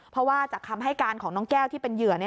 เพราะว่าจากคำให้การของน้องแก้วที่เป็นเหยื่อ